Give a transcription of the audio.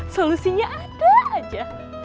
solusinya ada aja